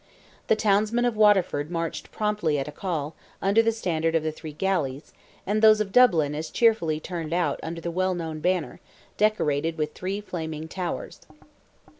The townsmen of Waterford marched promptly at a call, under their standard of the three galleys, and those of Dublin as cheerfully turned out under the well known banner, decorated with three flaming towers.